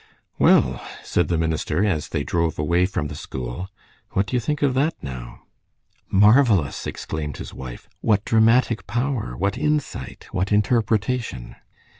"Well," said the minister, as they drove away from the school, "what do you think of that, now?" "Marvelous!" exclaimed his wife. "What dramatic power, what insight, what interpretation!"